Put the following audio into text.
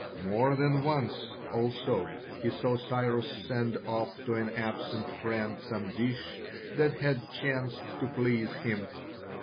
More than once also he saw Cyrus send off to an absent friend some dish that had chanced to please him.